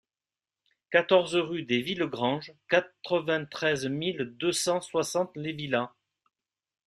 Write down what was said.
quatorze rue des Villegranges, quatre-vingt-treize mille deux cent soixante Les Lilas